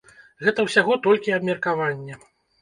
Гэта ўсяго толькі абмеркаванне.